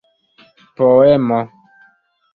poemo